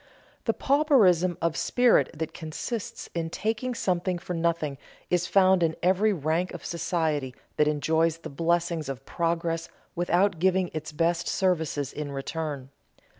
The pauperism of spirit that consists in taking something for nothing is found in every rank of society that enjoys the blessings of progress without giving its best services in return.